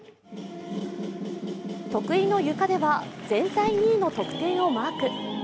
得意のゆかでは全体２位の得点をマーク。